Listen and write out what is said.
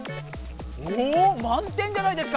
おまん点じゃないですか！